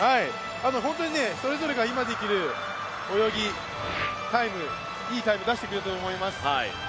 本当にそれぞれが今できる泳ぎ、タイム、いいタイムを出してくれたと思います。